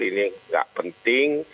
ini nggak penting